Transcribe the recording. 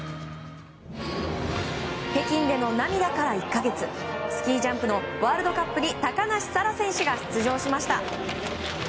北京での涙から１か月スキージャンプのワールドカップに高梨沙羅選手が出場しました。